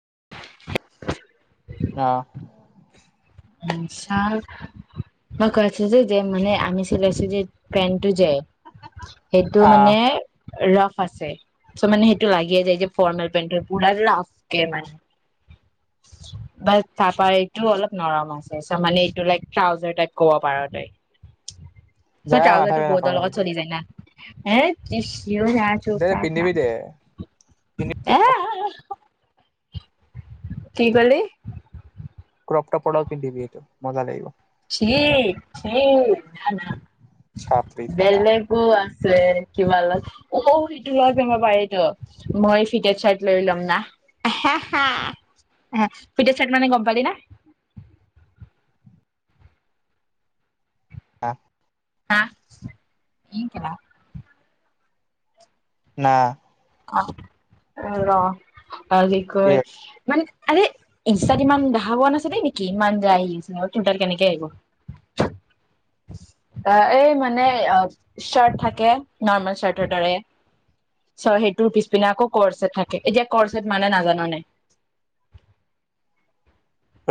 [inaudible] অঁ। ছাৰ, মই কৈছো যে, যে, মানে আমি চিলাইছো যে পেণ্টটো যে সেইটো আহ মানে ৰাফ আছে। চ' মানে সেইটো লাগিয়ে যায় যে ফৰ্মেল পেন্টৰ পুৰা ৰাফকে মানে বা' তাৰপা এইটো অলপ নৰম আছে। চ' মানে, এইটো লাইক ট্ৰাউজাৰ টাইপ ক'ব পাৰা, তই। যা চ' ট্ৰাউজাৰ মাথা টো বেয়া বহুতৰ নকৰ মোৰ লগত এতিয়া, চলি যায় না। দে পিন্ধিবি দে পিন্ধি [unintelligible] [unintelligible] কি কলা? ক্ৰপ টপৰ লগত পিন্ধিবি এইটো মজা লাগিব। [unintelligible] চি- চি না- না চাপৰি চালা বেলেগো আছে। [unintelligible] অহ ', সেইটো ল'ব পাৰি তো মই ফিট চাৰ্ট লৈ ল'ম না আহা হা ফিট চাৰ্ট মানে গম পালি না? আহ, [unintelligible] না। [unintelligible] [unintelligible] কি কয় মানে, আৰে, ইনষ্টাত ইমান দেখা পোৱা নাছিলি নেকি, ইমান যে আহি - আহি, আছিল তোৰ তাত কেনেকৈ আহিব। আহ, এই মানে চাৰ্ট থাকে, নৰ্মেল চাৰ্টৰ দৰে। চ' সেইটোৰ পিছ পিনে আকৌ কৰৰ্চেট থাকে। এতিয়া কৰৰ্চেট মানে নাজানা নে?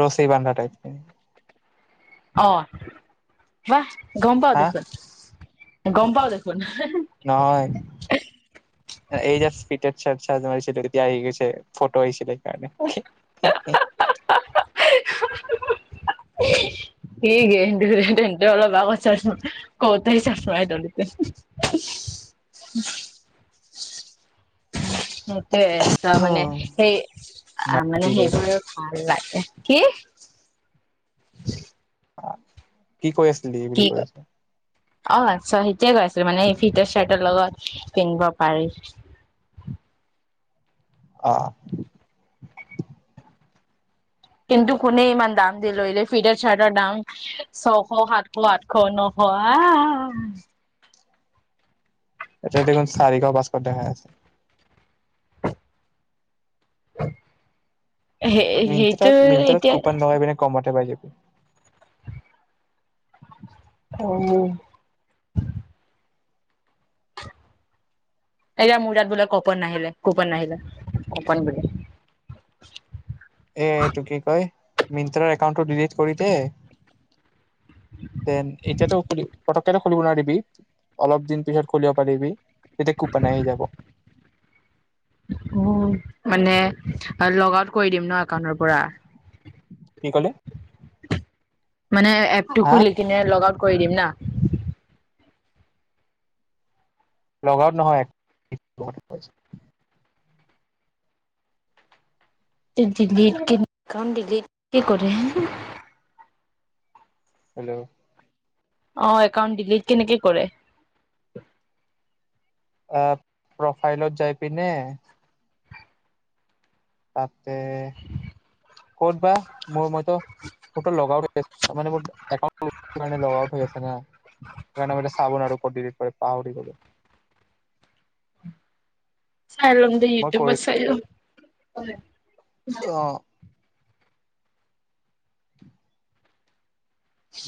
ৰচি বান্ধা টাইপ নে? অহ ', বাহ। গ'ম পাওঁ হা দেখোন। গম পাও দেখোন। নহয়। এই যে ফিটেত চ তই যে মাৰিছিলে তেতিয়া আহি গৈছে ফটো আহিছিলে। [unintelligible] সেইয়ে তেন্তে অলপ আগত চ কৌতাই চাপাই দলতে [unintelligible] সেইটোয়ে চ মানে সেই মানে কি কৈ সেইবোৰ ভাল লাগ [unintelligible] কি? কি কৈ আছ? বুলি কি ক কৈ আছো। অ চ সেইতোয়ে কৈ আছিলো মানে ফিটেত চাৰ্টৰ লগত পিন্ধিব পাৰি। অহ ', কিন্তু কোনে ইমান দাম দি ললে ফিটাৰ চাৰ্টৰ দাম ছশ সাতশ আঠশ নশ আহ এটো দেখোন চাৰিগাও পাছশ দেখাই [unintelligible] সেই সেইটো মিন্তট্ৰাত মিন্ত্ৰাত এতিয়া কুপান লগাই পিনে কমতে পাই যাবি। ঔ, এতিয়া মুৰতাত বোলে কপন নাহিল- কোপন নাহিল কপন বুলিলে [unintelligible] এটো কি কয়। মিন্ত্ৰা একাউণ্ট ডিলিট কৰি দে দেন এতিয়াতো পতককে খুলিব নোৱাৰিবি অলপ দিন পিছত খুলিব পাৰিবি [unintelligible] এতিয়া কুপান আহি যাব। উম, মানে লগ আউট কৰি দিম ন। দুকানৰ পৰা। কি ক'লে [inaudible] মানে এপটো হা খুলি কিনে লগ আউট। কৰি দিম না। লগআউট নহয়। ডিলিট কি কাম ডিলিট কি কৰে? হেল্ল' অ' একাউণ্ট ডিলিট কেনেকে কৰে। অ'হ প্ৰফাইলত যায় পিনে তাতে ক'ত বা মোৰ মতে ফটো লগাওঁট মানে মোৰ একাউণ্টখন লগআউট হৈ আছে না। সেইকাৰণে চাব নোৱাৰো ক'ত ডিলিট কৰে পাহৰি গলো। চাইলম দে মই কৰি ইউটিউবট চাই লম। অ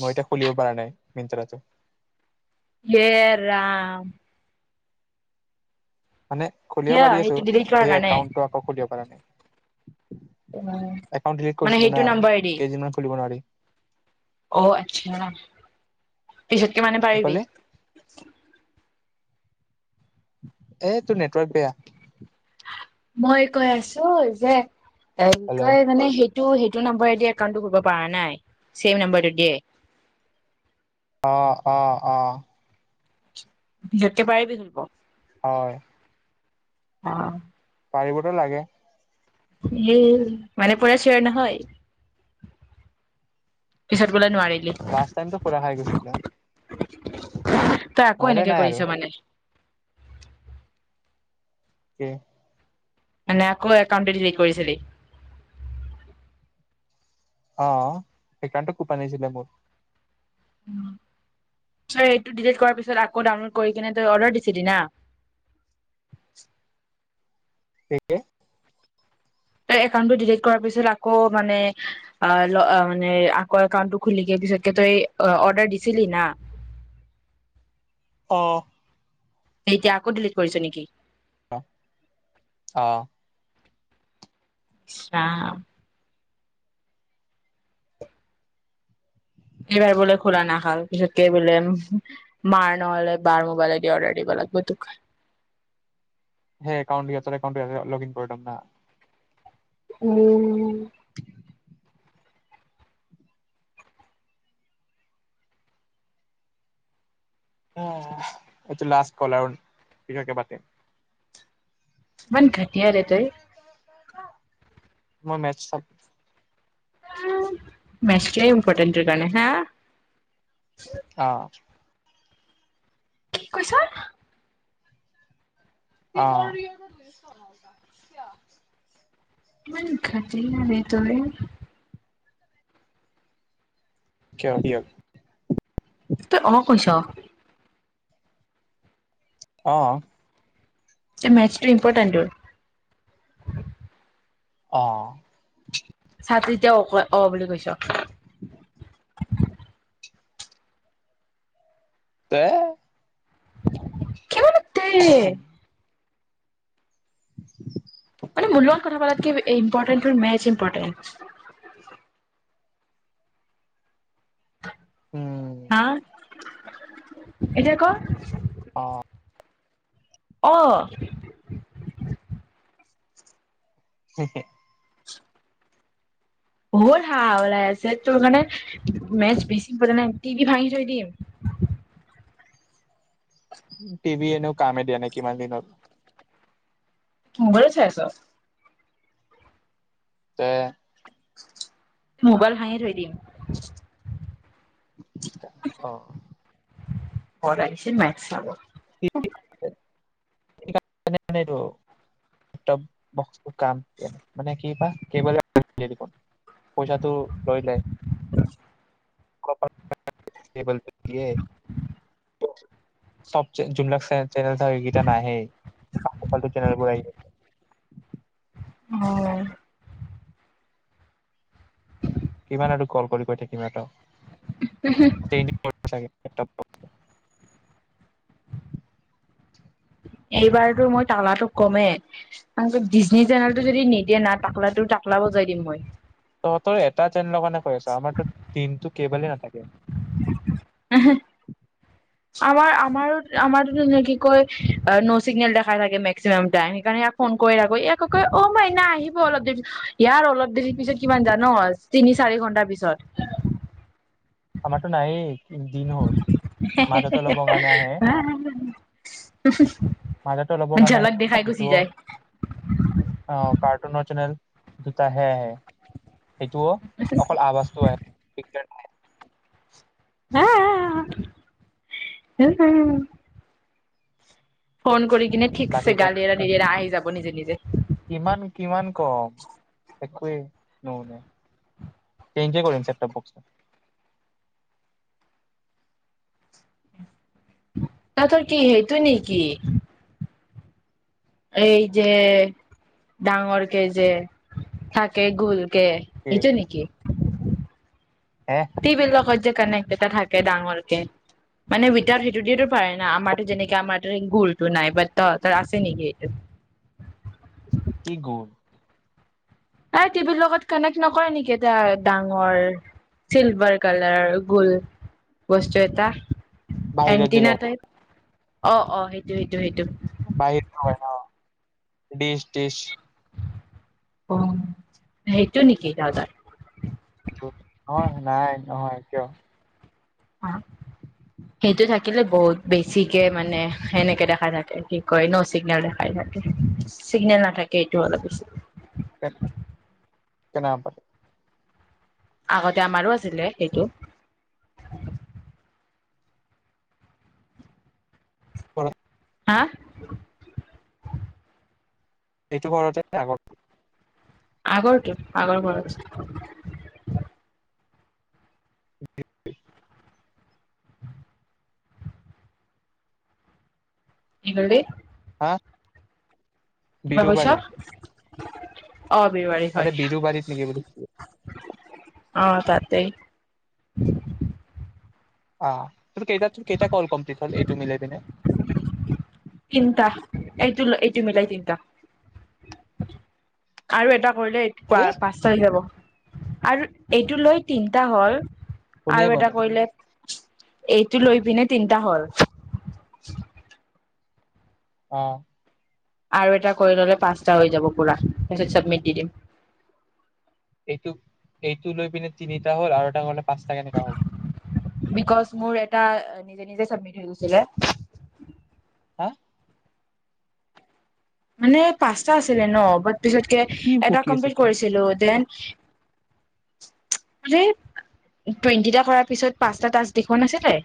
মই এতিয়া খুলিব পৰা নাই। মন্ত্ৰাটো। হে ৰাম। মানে খুলিব কিয় পাৰি আছো সেইটো ডিলিট কৰাৰ সেই কাৰণে একাউণ্ট টো আকৌ খুলিব [unintelligible] একাউণ্ট ডিলিট মানে কৰিছিলো সেইটো না, নাম্বাৰেদি কেইদিনমান খুলিব নোৱাৰি। অ' আচ্ছা। পিছতকে মানে কি পাৰিবি। ক'লে এ! তোৰ নেটৱৰ্ক বেয়া। মই কৈ আছো যে হেল্ল' এনেকৈ মানে সেই। সেইটো সেইটো নম্বৰে দিয়ে একাউণ্টটো খুলিব পৰা নাই। ছেম নম্বৰটো দিয়ে। অ' অ' অ'। পিছতকে পাৰিবি খুলিব। হয়। অ'। পাৰিবতো লাগে। এ! মানে পুৰা চিয়াৰ নহয় পিছত বুলে নোৱাৰি। লাষ্ট টাইমটো খোলা খাই গৈছিলে। [unintelligible] তই আকৌ নহলে এনেকে নাই আৰু কৰিছ মানে। [unintelligible] মানে আকৌ একাউণ্ট ডিলিট কৰিছিলি। অ'হ সেইকাৰণটো কোপান আহিছিলে মোৰ। উ'ম এইটো ডিলিত কৰা পিছত আকৌ ডাউনলোড কৰি কিনে তই অৰ্ডাৰ দিছলি না। কি কি? তই একাউনটো ডিলিত কৰা পিছত আকৌ মানে মে আকৌ একাটো খুলি পিছত তই অৰ্ডাৰ দিছিলি না। অ'। এতিয়া আকৌ ডিলিট কৰিছ নেকি? অ'। ইচ ৰাম। এইবাৰ বোলে খোলা নাখাল পিছতকে বোলে মাৰ নহলে বাৰ মোবাইলে দি অৰ্ডাৰ দিব লাগিব তোক। হে একাউণ্ট-একাউণ্ট লগ ইন কৰিলম না। উম। এইটো লাষ্ট কল আৰু পিচতকে পাতিম। ইমান ঘাতিয়া নে তই মই মেচ চ মেছতোবে ইম্পৰ্টেণ্ট টোৰ কাৰণে হা অ কি কৈছা। অ ইমান ঘাতিয়া ৰে তই। কিয় কি হল? তই অ কৈছ। অ মেচটো ইম্পৰ্টেণ্ট টোৰ। অ ছাতিয়া অক অ বুলি কৈছ। ত [unintelligible] কিমান তে [inaudible] মানে মোৰ লগত কথা পালাত কি ইম্পৰ্টেচ মেচ ইম্পৰ্টেচ উম হা এতিয়া ক অ অহ [unintelligible] হল হা ওলাই আছে তোৰ মে মেচ বেছি প নাই টিভি ভাঙি থৈ দিম। টিভি এনেও কামে দিয়া নে কিমান দিনত মোবাইলত চাই আছ, তে মোবাইল ভাঙি থৈ দিম। অ পঢ়াইছে মাব [unintelligible] লেপটপ [unintelligible] মানে কি পইচাটো লৈ ল যোনাক চেনে থাক সকেইটা নাহেই পাল পালটু চেনেল বোৰ আহিছে অ কিমান আৰু কল কৰি কৈ সিহতক। তেইনি পি চাগে ত এইবাৰতো মই তালাটো কমেই ডিজী চেনেলটো যদি নিদিয়ে না তাকলাটো টাকলা বজাই দিম মই। তহতৰ এটা যেন লগ নে কৈ আছ আমাৰ তো দিনতটো কেইৱলে নাথাকে। [unintelligible] আমাৰ আমাৰো- আমাৰো টোনু কি কয় ন' চিগনেল দেখাই থাকে মেক্সিমাম টাইম, সেইকাৰণে ইয়াক ফোন কৰি থাকি ই কি কয় অ মাইনা আহিব অলপ দেৰি, ইয়াৰ অলপ দেৰি পিছত কিমান জান ন তিনি চাৰি ঘন্টাৰ পিছত। আমাৰতো নায়েই দিন হ'ল, মাজতে অলপৰ কাৰণে আহে, মাজতে অলপৰ কাৰণে ঝলক দেখাই আহে, গুচি যিটো যায়। আ কাৰ্টুনৰ চেনেল দুটা হে আহে। সেইটোও অকল আৱাজটো আহ [unintelligible] ফোন কৰি এনে বাকী ঠিকছে গালি এৰ নি দেৰা আহি যাব নিজে- নিজে। একোৱেই নুশুনে, চেইঞ্জেই কৰিম ছেটটপ বক্স তহঁতৰ কি সেইটো নেকি। এই যে ডাঙৰকে যে থাকে গুল কে কি সেইটো নেকি। হে [unintelligible] কানেক্ট এটা থাকে ডাঙৰকে, মানে উইতআওট সেইটো দিয়টো পাৰে ন আমাৰো যেনেকে আমাৰ গুলটো নাই বাট তহতৰ আছে নেকি সেটো। কি গুল। এই টিভিৰ লগত কানেক্ট নকৰে নেকি এটা ডাঙৰ চিলভাৰ কালাৰ গুল বস্তু এটা। বাহিৰত যে এণ্টিনা লগ টাইপ। অঁ-অঁ, সেইটো সেইটো- সেইটো। বাহিৰ [unintelligible] হয়, অ ডিচ-ডিচ। অ' সেইটো নেকি দাদাৰ। সেইটো, অঁ নাই নহয়, কিয়। অঁ সেইটো থাকিলে বহুত বেছিকে মানে সেনেকে দেখা থাকে, কি কয় ন' চিগনেল দেখাই থাকে, চিগনেল নাথাকে, এইটো অলপ বেছি। [unintelligible] আগতে আমাৰো আছিলে সেইটো। কৰা হা। এইটো ঘৰতে নে আগত আগৰটোত, আগৰ ঘৰত। [inaudible] কি ক'লি। হা কিবা কৈছা। বিৰুবাৰী [inaudible] আৰে বিৰুবাৰীত নেকি বুলি সুধিছোঁ। অঁ তাতেই। অঁ, তোৰ কেইটাত টোৰ কেইটা কল কমপ্লিট হ'ল এইটো মিলাই পিনে। তিনিটা, এইটো লৈ এইটো মিলাই তিনিটা। আৰু এটা কৰিলে এইটো পা কি পাঁচটা হৈ যাব। আৰু এইটো লৈ তিনিটা হ'ল। শুনিয়ে আৰু পোৱা এটা নাই কৰিলে এইটো লৈ পিনে তিনিটা হ'ল। অঁ। আৰু এটা কৰি ললে পাঁচটা হৈ যাব পুৰা। তাৰপাছত চাবমিট দি দিম। এইটো! এইটো লৈ পিনে তিনিটা হ'ল আৰু এটা হ'লে পাঁচটা কেনেকা হ'ল [inaudible] বিকজ মোৰ এটা নিজে নিজে চবমিট হৈ গৈছিলে। হা? মানে পাঁচ টা আছিলে ন বাত পিছতকে কি এটা বকি আছ কমপ্লিট তই কৰিছিলো দেন আৰে টুৱেন্টিটা কৰাৰ পিছত পাঁচটা টাছক দেখুুৱা নাছিলে?